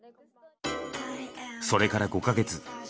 それから５か月。